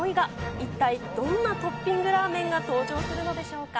一体どんなトッピングラーメンが登場するのでしょうか。